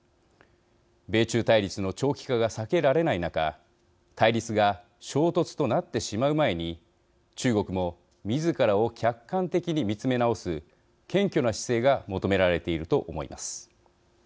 米中対立の長期化が避けられない中対立が衝突となってしまう前に中国もみずからを客観的に見つめ直す謙虚な姿勢が求められていると思います。